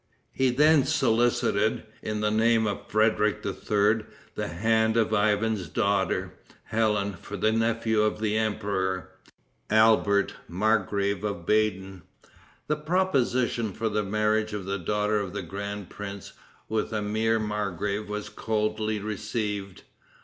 He then solicited, in the name of Frederic III., the hand of Ivan's daughter, Helen, for the nephew of the emperor, Albert, margrave of Baden. The proposition for the marriage of the daughter of the grand prince with a mere margrave was coldly received.